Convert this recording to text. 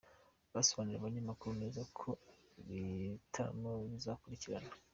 Basobanuriye abanyamakuru neza uko ibitaramo bizakurikirana.